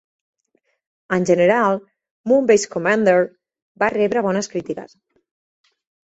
En general, Moonbase Commander va rebre bones crítiques.